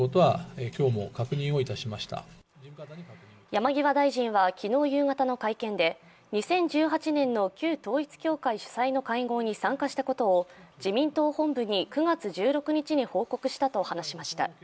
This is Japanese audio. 山際大臣は昨日の夕方の会見で２０１８年の旧統一教会主催の会合に参加したことを自民党本部に９月１６日に報告したと話しました。